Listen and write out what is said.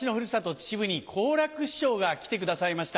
秩父に好楽師匠が来てくださいました。